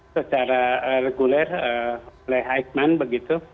secara reguler oleh haikman begitu